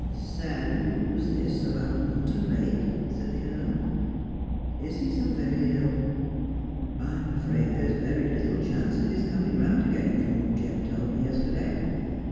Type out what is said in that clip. ' Sad news this about Morton Blake,' said the earl. ' Is he so very ill 1 ' 'I'm afraid there's very little chance of his coming round again, from what Jebb told me yesterday.